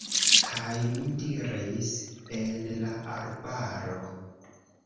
Kaj mi diris el la arbaro: